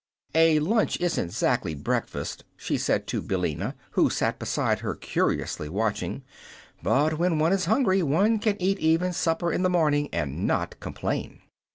"A lunch isn't zactly breakfast," she said to Billina, who sat beside her curiously watching. "But when one is hungry one can eat even supper in the morning, and not complain."